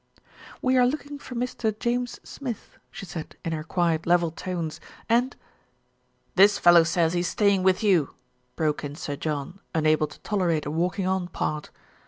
"We are looking for Mr. James Smith," she said in her quiet, level tones, "and " THE UNMASKING OF SMITH 323 This fellow says he is staying with you," broke in Sir John, unable to tolerate a walking on part.